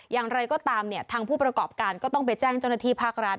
อย่างไรก็ตามเนี่ยทางผู้ประกอบการก็ต้องไปแจ้งเจ้าหน้าที่ภาครัฐ